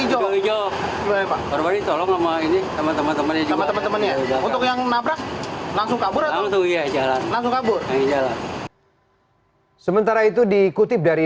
hijau hijau berbentuk yang nabrak langsung kabur langsung kabur sementara itu dikutip dari